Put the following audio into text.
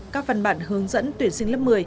các văn bản hướng dẫn tuyển sinh lớp một mươi